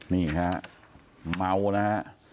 นี่ค่ะเมานะคะ